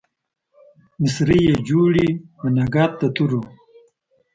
مسرۍ يې جوړې د نګهت د تورو